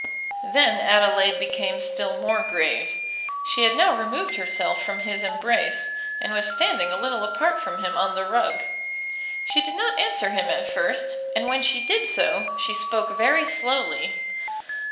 Then Adelaide became still more grave. She had now removed herself from his embrace, and was standing a little apart from him on the rug. She did not answer him at first; and when she did so, she spoke very slowly.